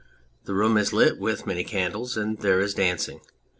The room is lit with many candles, and there is dancing.